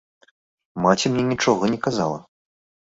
Маці мне нічога не казала.